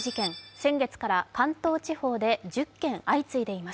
先月から関東地方で１０件相次いでいます。